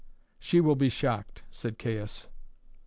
"She will be shocked," said Caius.